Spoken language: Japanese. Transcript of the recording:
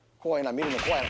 見るの怖いな。